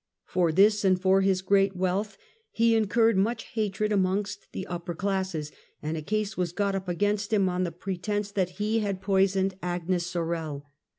For this and for his great wealth he incurred much hatred amongst the upper classes, and a case was got up against him, on the pre tence that he had poisoned Agnes Sorel.